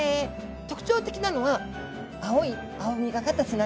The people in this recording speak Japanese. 特徴的なのは青い青みがかった背中。